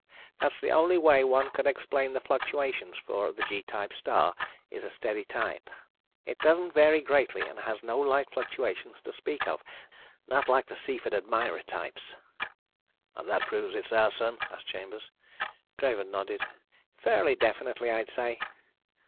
That's the only way one could explain the fluctuations for the G type star is a steady type. It doesn't vary greatly and has no light fluctuations to speak of. Not like the Cepheid and Mira types." "And that proves it's our Sun?" asked Chambers. Craven nodded. "Fairly definitely, I'd say."